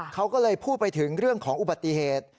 เขาก็เลยพูดไปถึงเรื่องของอุบัติเหตุ